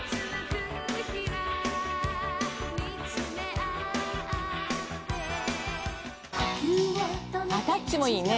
あっ『タッチ』もいいね。